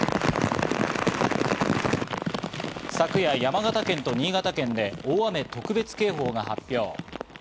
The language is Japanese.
昨夜、山形県と新潟県で大雨特別警報が発表。